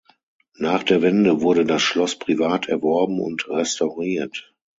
Nach der Wende wurde das Schloss privat erworben und restauriert.